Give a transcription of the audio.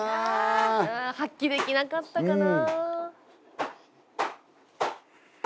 発揮できなかったかな。